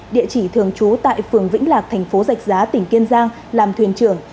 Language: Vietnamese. địa chỉ thường trú tại phường vĩnh lạc thành phố dạch giá tỉnh kiên giang làm thuyền trưởng